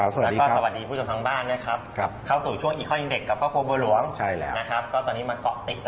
สวัสดีครับคุณคลิงสวัสดีครับพี่ทศ